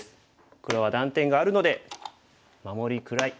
黒は断点があるので守りくらい。